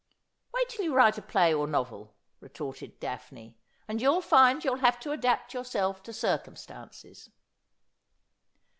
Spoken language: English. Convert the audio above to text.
' Wait till you write a play or a novel,' retorted Daphne, ' and you'll find you'll have to adapt yourself to circumstances.'